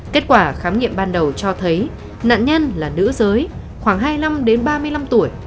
kết quả khám nghiệm ban đầu cho thấy nạn nhân là nữ giới khoảng hai mươi năm đến ba mươi năm tuổi